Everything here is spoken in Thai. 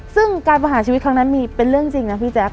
ซึ่งการประหารชีวิตครั้งนั้นมีเป็นเรื่องจริงนะพี่แจ๊ค